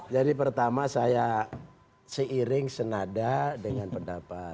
jadi pertama saya seiring senada dengan pendapat